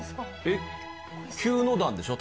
えっ９の段でしょ？